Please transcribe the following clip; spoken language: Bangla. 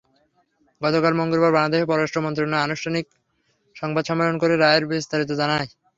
গতকাল মঙ্গলবার বাংলাদেশের পররাষ্ট্র মন্ত্রণালয় আনুষ্ঠানিক সংবাদ সম্মেলন করে রায়ের বিস্তারিত জানায়।